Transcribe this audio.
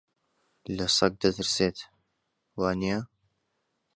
لە سەگ دەترسێت، وانییە؟